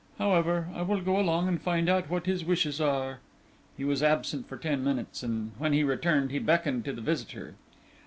However, I will go along and find out what his wishes are." He was absent for ten minutes, and when he returned he beckoned to the visitor.